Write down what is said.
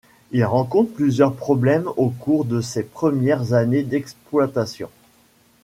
Il rencontre plusieurs problèmes au cours de ses premières années d'exploitation.